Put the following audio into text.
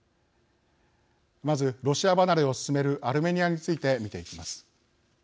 まず、ロシア離れを進めるアルメニアについて見ていきます。